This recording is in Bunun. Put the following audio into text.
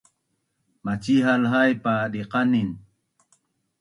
Macihal haip pa diqanin